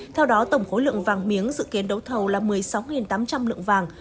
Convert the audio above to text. theo đó tổng khối lượng vàng miếng dự kiến đấu thầu là một mươi sáu tám trăm linh lượng vàng